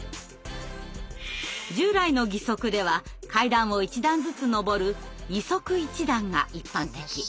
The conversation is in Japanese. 従来の義足では階段を１段ずつ上る「二足一段」が一般的。